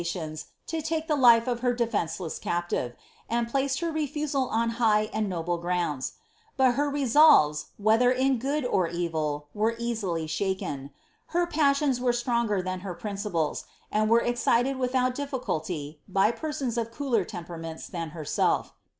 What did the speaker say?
lions to take the life of her defenceless captive^ and placed her refusal on high and noble grounds ; but lier resolves, whether in good or evil, were easily shaken. Her passions were stronger than her principles, and were excited without difficulty by persons of cooler temperaments ihan herself.